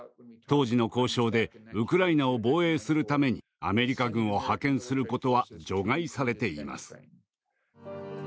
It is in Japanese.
当時の交渉でウクライナを防衛するためにアメリカ軍を派遣することは除外されています。